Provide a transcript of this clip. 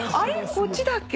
こっちだっけ？